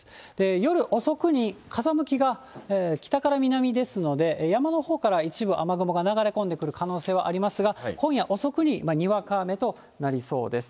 夜遅くに風向きが北から南ですので、山のほうから一部、雨雲が流れ込んでくる可能性がありますが、今夜遅くに、にわか雨となりそうです。